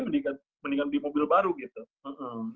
dia mendingan beli mobil baru gitu